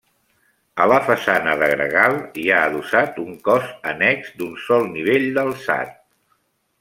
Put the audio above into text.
A la façana de gregal hi ha adossat un cos annex d'un sol nivell d'alçat.